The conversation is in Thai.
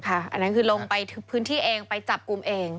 อันนั้นคือลงไปพื้นที่เองไปจับกลุ่มเอง